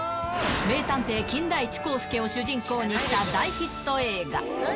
名探偵、金田一耕助を主人公にした大ヒット映画。